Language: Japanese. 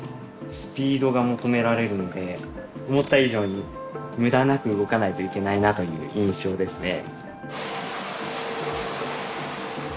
スピードが求められるんで思った以上に無駄なく動かないといけないなという印象ですね。